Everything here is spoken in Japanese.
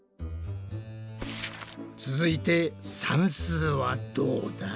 続いて算数はどうだ？どう？